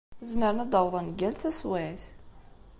Zemren ad d-awḍen deg yal taswiɛt.